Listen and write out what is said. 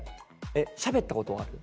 えしゃべったことはある？